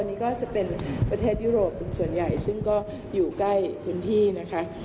นี่ก็จะเป็นประเทศยุโรปส่วนใหญ่ซึ่งก็อยู่ใกล้พื้นที่นะคะ